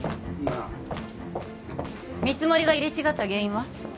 あ見積もりが入れ違った原因は？